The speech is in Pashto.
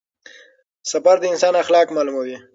سفر د انسان اخلاق معلوموي.